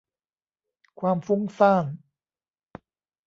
ความฟุ้งซ่าน